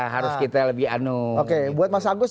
harus kita lebih anu oke buat mas agus